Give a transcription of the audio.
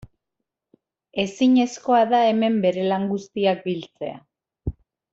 Ezinezkoa da hemen bere lan guztiak biltzea.